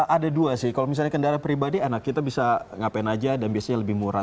ada dua sih kalau misalnya kendaraan pribadi anak kita bisa ngapain aja dan biasanya lebih murah